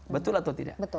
betul atau tidak